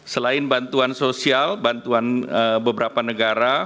selain bantuan sosial bantuan beberapa negara